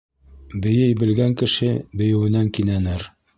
Бейей белгән кеше бейеүенән кинәнер.